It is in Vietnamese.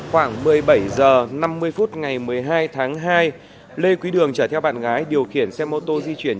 khoảng một mươi bảy h năm mươi phút ngày một mươi hai tháng hai lê quý đường chở theo bạn gái điều khiển xe mô tô di chuyển